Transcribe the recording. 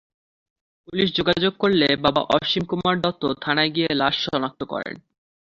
Police যোগাযোগ করলে বাবা অসীম কুমার দত্ত থানায় গিয়ে লাশ শনাক্ত করেন।